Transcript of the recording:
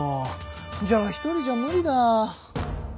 じゃあ１人じゃ無理だ。